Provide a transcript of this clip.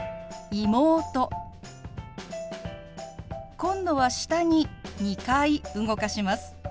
今度は下に２回動かします。